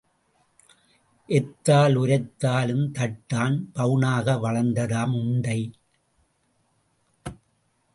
எத்தால் உரைத்தாலும் தட்டான் பவுனாக வளர்ந்ததாம் உண்டை.